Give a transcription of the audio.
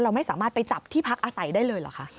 ไม่สามารถไปจับที่พักอาศัยได้เลยเหรอคะ